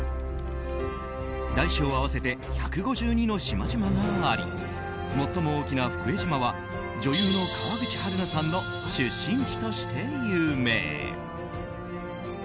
大小合わせて１５２の島々があり最も大きな福江島は女優の川口春奈さんの出身地として有名。